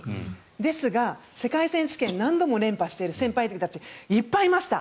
ですが、世界選手権何度も連覇している先輩方がいっぱいいました。